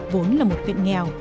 vốn là một huyện nghèo